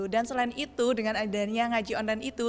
dan selain itu dengan adanya ngaji online itu